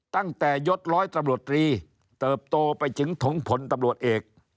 ตั้งแต่ยศบรรีเติบโตไปถึงถงผลบรเอก